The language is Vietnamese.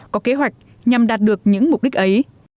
có kế hoạch nhằm đạt được những mục đích ấy